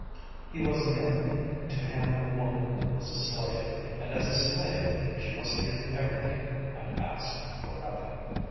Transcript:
He was an Arab, and to him a woman was a slave, and as a slave she must give everything and ask for nothing.